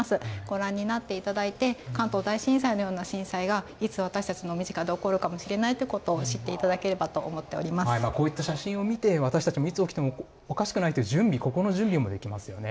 ご覧になっていただいて、関東大震災のような震災が、いつ私たちの身近で起こるかもしれないということを知っていただければと思こういった写真を見て、私たちも、いつ起きてもおかしくないという準備、心の準備もできますよね。